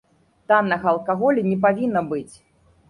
Таннага алкаголю не павінна быць.